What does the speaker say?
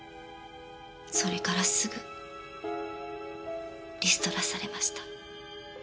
それからすぐリストラされました。